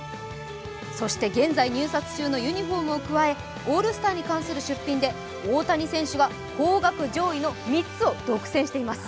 そして現在入札中のユニフォームを加えオールスターに関する出品で大谷選手が高額上位の３つを独占しています。